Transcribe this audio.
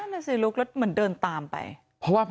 นี่คุณตูนอายุ๓๗ปีนะครับ